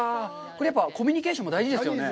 これやっぱりコミュニケーションも大事ですよね？